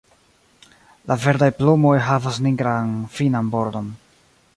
La verdaj plumoj havas nigran finan bordon.